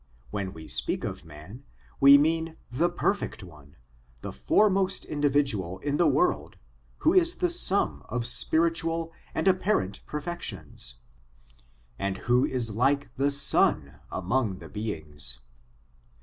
When we speak of man, we mean the perfect one, the foremost individual in the world, who is the sum of spiritual and apparent per fections, and who is like the sun among the beings.